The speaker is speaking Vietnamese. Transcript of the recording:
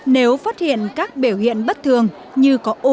nếu phát hiện các biểu hiện bất thường như có u